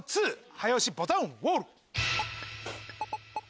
早押しボタンウォール。